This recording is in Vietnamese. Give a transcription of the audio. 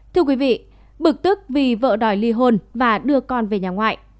thưa quý vị bực tức vì vợ đòi ly hôn và đưa con về nhà ngoại